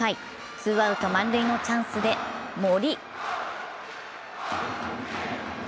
ツーアウト満塁のチャンスで森。